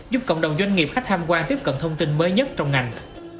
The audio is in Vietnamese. giúp cộng đồng doanh nghiệp khách tham quan tiếp cận thông tin mới nhất trong ngành